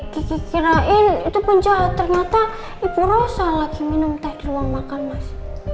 kiki kirain itu penjahat ternyata ibu rosa lagi minum teh di ruang makan mas